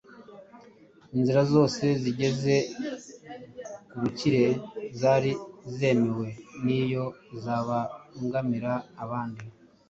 Inzira zose zigeza ku bukire zari zemewe n‟iyo zabangamira abandi.